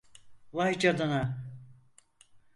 Vay canina!